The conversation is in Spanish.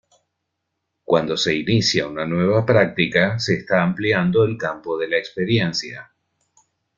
Cuando se inicia una nueva práctica, se está ampliando el campo de la experiencia.